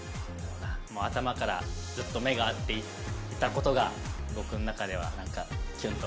頭からずっと目が合っていた事が僕の中ではなんかキュンときました。